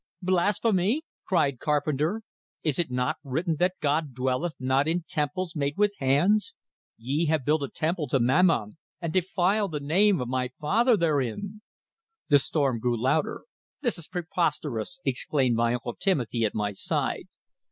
"Blasphemy?" cried Carpenter. "Is it not written that God dwelleth not in temples made with hands? Ye have built a temple to Mammon, and defile the name of my Father therein!" The storm grew louder. "This is preposterous!" exclaimed my uncle Timothy at my side.